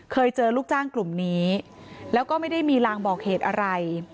เคยเจอลูกจ้างกลุ่มนี้แล้วก็ไม่ได้มีลางบอกเหตุอะไร